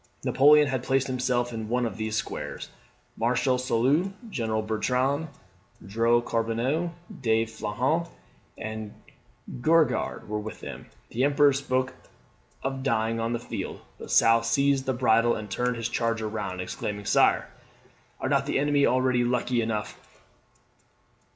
Napoleon had placed himself in one of these squares: Marshal Soult, Generals Bertrand, Drouot, Corbineau, De Flahaut, and Gourgaud, were with him. The Emperor spoke of dying on the field, but Soult seized his bridle and turned his charger round, exclaiming, "Sire, are not the enemy already lucky enough?"